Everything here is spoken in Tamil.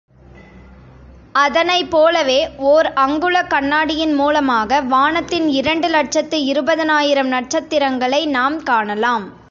அதனைப்போலவே, ஓர் அங்குலக் கண்ணாடியின் மூலமாக வானத்தின் இரண்டு லட்சத்து இருபதனாயிரம் நட்சத்திரங்களை நாம் காணலாம்.